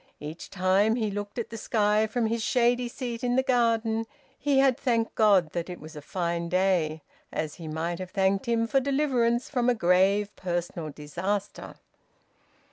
Each time he looked at the sky from his shady seat in the garden he had thanked God that it was a fine day, as he might have thanked Him for deliverance from a grave personal disaster.